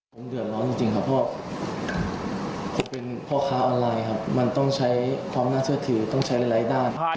ผมเดือดร้อนจริงครับเพราะผมเป็นพ่อค้าออนไลน์ครับมันต้องใช้ความน่าเชื่อถือต้องใช้หลายด้าน